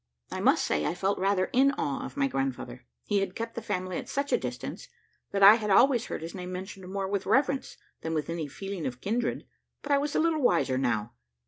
I must say, I felt rather in awe of my grandfather; he had kept the family at such a distance, that I had always heard his name mentioned more with reverence than with any feeling of kindred, but I was a little wiser now.